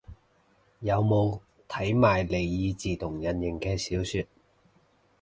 有冇睇埋尼爾自動人形嘅小說